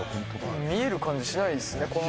見える感じしないですねこの。